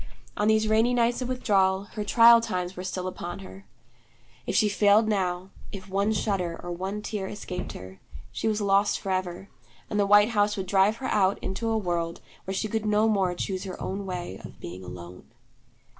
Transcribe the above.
On these rainy nights of withdrawal, her trial times were still upon her. If she failed now, if one shudder or one tear escaped her, she was lost forever; and the white house would drive her out, into a world where she could no more choose her own way of being alone.